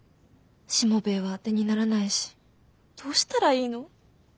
しもべえはあてにならないしどうしたらいいの。